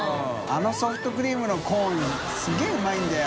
△ソフトクリームのコーンすげぇうまいんだよ。